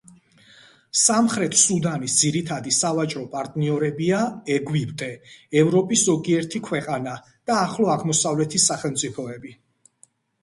სამხრეთ სუდანის ძირითადი სავაჭრო პარტნიორებია ეგვიპტე, ევროპის ზოგიერთი ქვეყანა და ახლო აღმოსავლეთის სახელმწიფოები.